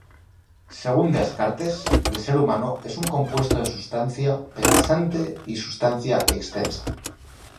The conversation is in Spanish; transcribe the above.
Según Descartes, el ser humano es un compuesto de sustancia pensante y sustancia extensa.